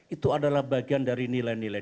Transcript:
itu adalah bagian dari nilai nilai